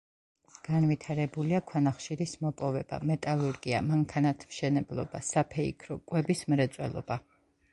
განვითარებულია ქვანახშირის მოპოვება, მეტალურგია, მანქანათმშენებლობა, საფეიქრო, კვების მრეწველობა.